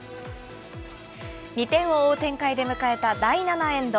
２点を追う展開で迎えた第７エンド。